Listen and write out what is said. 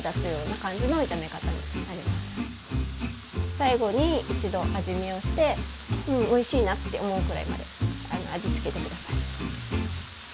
最後に一度味見をして「うんおいしいな」って思うくらいまで味つけて下さい。